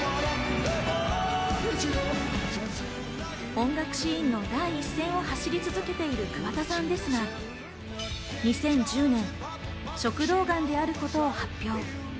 音楽シーンの第一線を走り続けている桑田さんですが、２０１０年、食道がんであることを発表。